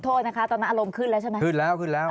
โทษนะคะตอนนั้นอารมณ์ขึ้นแล้วใช่ไหมขึ้นแล้วขึ้นแล้ว